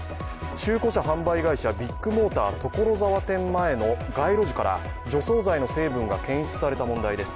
中古車販売会社、ビッグモーター所沢店前の街路樹から除草剤の成分が検出された問題です。